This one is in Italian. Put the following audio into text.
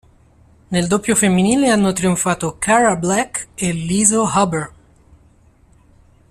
Nel doppio femminile hanno trionfato Cara Black e Liezel Huber.